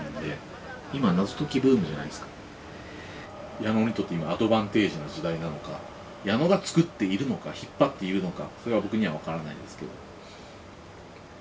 矢野にとって今アドバンテージな時代なのか矢野が作っているのか引っ張っているのかそれは僕には分からないですけど。